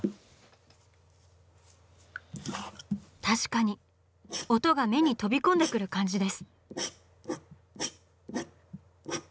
確かに音が目に飛び込んでくる感じです。